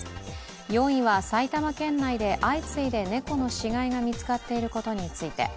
４位は埼玉県内で相次いで猫の死骸が見つかっていることについて。